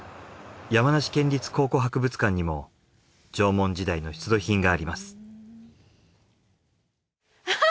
山梨県立考古博物館にも縄文時代の出土品があります。